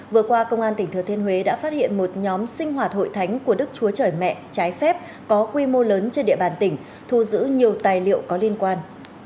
vừa qua công an tỉnh thừa thiên huế đã phát hiện một nhóm sinh hoạt hội thánh của đức chúa trời mẹ trái phép có quy mô lớn trên địa bàn tỉnh thu giữ nhiều tài liệu có liên quan